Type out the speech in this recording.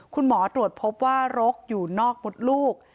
คุณหมอตรวจพบว่าโรคอยู่นอกมดลูก